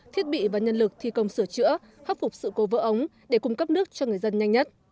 thiết bị và nhân lực thi công sửa chữa khắc phục sự cố vỡ ống để cung cấp nước cho người dân nhanh nhất